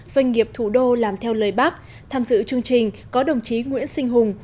doanh nghiệp thủ đô làm theo lời bác tham dự chương trình có đồng chí nguyễn sinh hùng